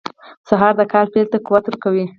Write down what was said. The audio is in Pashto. سهار د کار پیل ته قوت ورکوي.